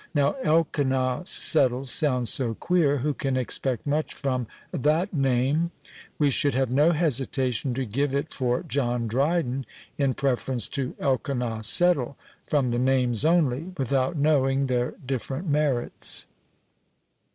Now Elkanah Settle sounds so queer, who can expect much from that name? We should have no hesitation to give it for John Dryden in preference to Elkanah Settle, from the names only, without knowing their different merits."